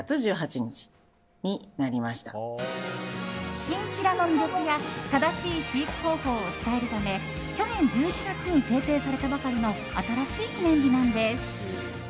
チンチラの魅力や正しい飼育方法を伝えるため去年１１月に制定されたばかりの新しい記念日なんです。